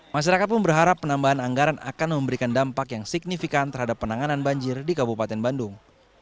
masyarakat pun berharap penambahan anggaran akan memberikan dampak yang signifikan terhadap penanganan banjir di kabupaten bandung